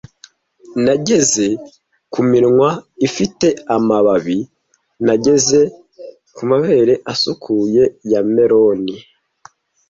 Nageze ku minwa ifite amababi; Nageze kumabere asukuye ya melon.